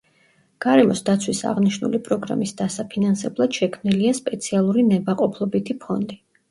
გარემოს დაცვის აღნიშნული პროგრამის დასაფინანსებლად შექმნილია სპეციალური ნებაყოფლობითი ფონდი.